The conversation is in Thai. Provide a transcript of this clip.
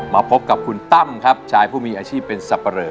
มาพบกับคุณตั้มครับชายผู้มีอาชีพเป็นสับปะเลอ